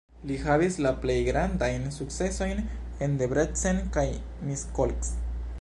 Li havis la plej grandajn sukcesojn en Debrecen kaj Miskolc.